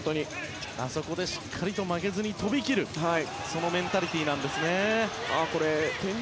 あそこでしっかりと負けずに跳びきるというそのメンタリティーなんですね。